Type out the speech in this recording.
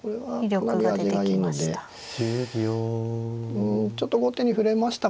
うんちょっと後手に振れましたかね